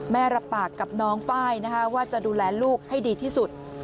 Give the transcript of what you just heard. แม่รับปากกับน้องไฟว่าจะดูแลลูกให้ดีที่สุด